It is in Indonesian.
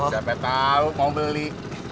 siapa tahu mau beli